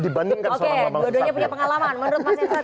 dia sudah punya pengalaman dibandingkan seorang bamsu